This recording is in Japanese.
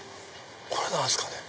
これ何ですかね。